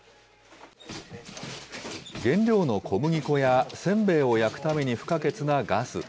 原料の小麦粉や、せんべいを焼くために不可欠なガス。